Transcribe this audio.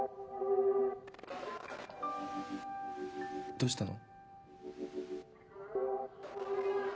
どうしたの？